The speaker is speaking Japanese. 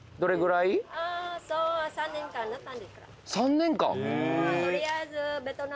３年間？